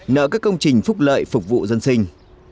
nợ các công trình phúc lợi phục vụ dân sinh